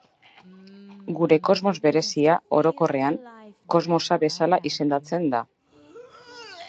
Gure kosmos berezia, orokorrean, Kosmosa bezala izendatzen da.